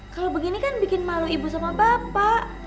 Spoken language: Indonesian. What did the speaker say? kalau begini kan bikin malu ibu sama bapak